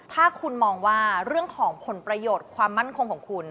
ถ้าคุณมองว่าเรื่องของผลประโยชน์ความมั่นคงของคุณ